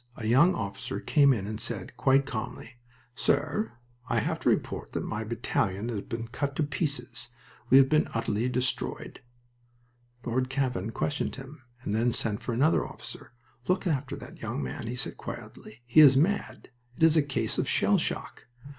A young officer came in and said, quite calmly: "Sir, I have to report that my battalion has been cut to pieces. We have been utterly destroyed." Lord Cavan questioned him, and then sent for another officer. "Look after that young man," he said, quietly. "He is mad. It is a case of shell shock."